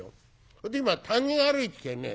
それで今谷を歩いてきてね